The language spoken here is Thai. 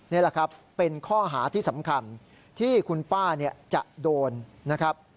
นี่แหละครับเป็นข้อหาที่สำคัญที่คุณป้าจะโดนนะครับ